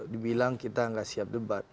dibilang kita nggak siap debat